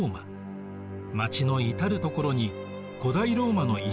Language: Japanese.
町の至る所に古代ローマの遺跡があります。